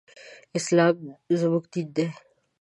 اسلام زموږ دين دی